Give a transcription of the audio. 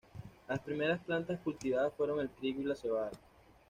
Las primeras plantas cultivadas fueron el trigo y la cebada.